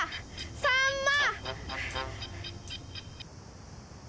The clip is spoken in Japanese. サンマ。